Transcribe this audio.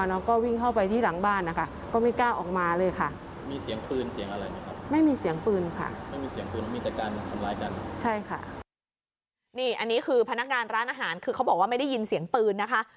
อันนี้คือพนักงานร้านอาหารคือเขาบอกว่าไม่ได้ยินเสียงปืนนะคะ